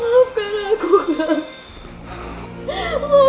maafkan aku kak